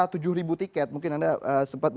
tujuh ribu tiket mungkin anda sempat